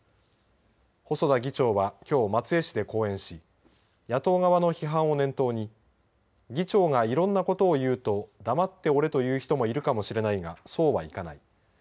細田議長はきょう松江市で講演し野党側の批判を念頭に議長がいろんなことを言うと黙っておれと言う人もいるかもしれないがそうはいかない。